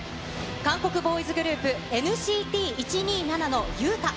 韓国ボーイズグループ、ＮＣＴ１２７のユータ。